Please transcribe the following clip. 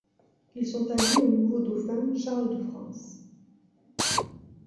Ils sont alliés au nouveau dauphin Charles de France.